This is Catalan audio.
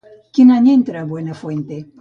Quin any entra a Buenafuente?